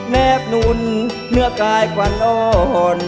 แนบนุ่นเนื้อกายกว่านอน